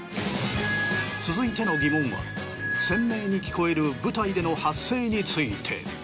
続いての疑問は鮮明に聞こえる舞台での発声について。